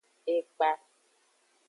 Ekpa.